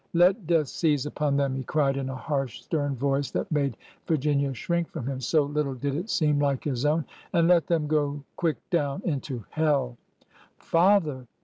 ' Let death seize upon them,' " he cried in a harsh, stern voice that made Virginia shrink from him, so little did it seem like his own, ''' and let them go quick down into hell!"' Father!